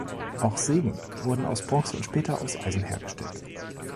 Auch Sägen wurden aus Bronze und später aus Eisen hergestellt.